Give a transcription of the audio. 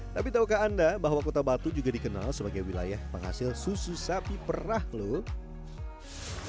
tapi tahukah anda bahwa kota batu juga dikenal sebagai wilayah penghasil susu sapi perah loh